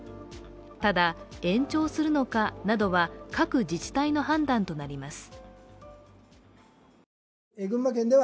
ただ、延長するのかなどは各自治体の判断となります。